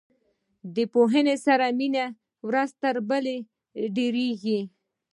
د پوهنې سره مینه ورځ تر بلې ډیریږي.